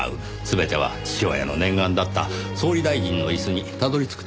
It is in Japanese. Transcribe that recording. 全ては父親の念願だった総理大臣の椅子にたどり着くためでしょう。